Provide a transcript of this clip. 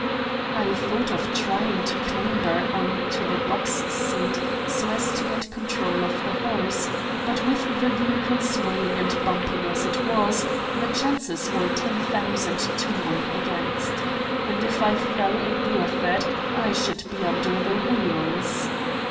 I thought of trying to clamber on to the box seat so as to get control of the horse; but with the vehicle swaying and bumping as it was the chances were ten thousand to one against. And if I fell in the effort, I should be under the wheels.